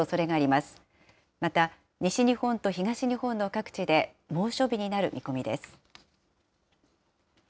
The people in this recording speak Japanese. また、西日本と東日本の各地で猛暑日になる見込みです。